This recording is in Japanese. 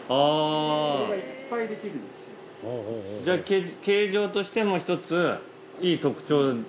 じゃあ形状としても一つ。